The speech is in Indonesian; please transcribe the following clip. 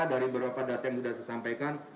dari beberapa data yang sudah saya sampaikan